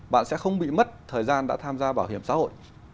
bạn sẽ không bị mất thời gian đã tham gia bảo hiểm xã hội